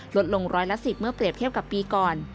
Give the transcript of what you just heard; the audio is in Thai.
ลดลงร้อยละ๑๐เมื่อเปรียบเทียบกับปีก่อน